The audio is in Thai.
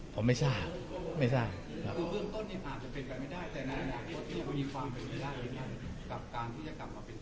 ก็สามารถกรณ์ย้ายจับมาได้หรือเปล่า